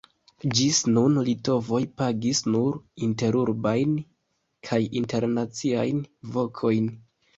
Ĝis nun litovoj pagis nur interurbajn kaj internaciajn vokojn.